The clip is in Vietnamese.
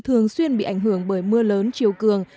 thường xuyên bị ảnh hưởng bởi mưa lớn chiều cường